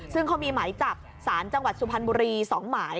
ซึ่งเขามีหมายจับสารจังหวัดสุพรรณบุรี๒หมาย